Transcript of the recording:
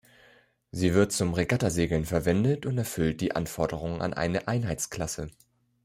Sie wird zum Regattasegeln verwendet und erfüllt die Anforderungen an eine Einheitsklasse.